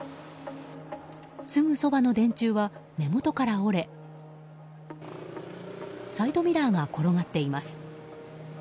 すぐそばの電柱は根元から折れサイドミラーが転がっています。